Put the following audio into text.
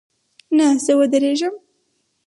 نه، زه ودریږم